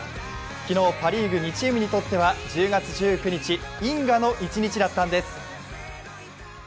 昨日、パ・リーグ２チームにとっては１０月１９日、因果の一日だったんです。